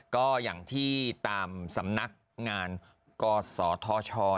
ก็อย่างที่ตามสำนักงานกศธช